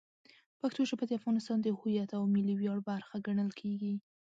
پښتو ژبه د افغانستان د هویت او ملي ویاړ برخه ګڼل کېږي.